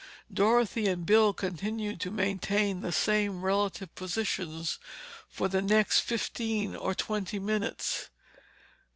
Dorothy and Bill continued to maintain the same relative positions for the next fifteen or twenty minutes.